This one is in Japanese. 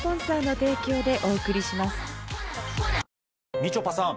みちょぱさん